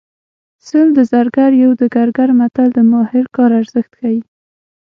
سل د زرګر یو د ګګر متل د ماهر کار ارزښت ښيي